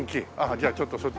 じゃあちょっとそっち。